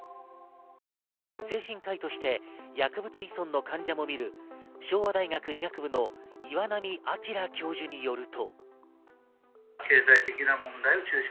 精神科医として薬物依存の患者も診る昭和大学医学部の岩波明教授によると。